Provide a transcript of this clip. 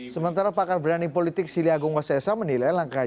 sementara pakar berani politik sili agung wasessa menilai langkah